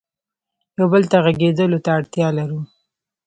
یو بل ته غږېدلو ته اړتیا لرو.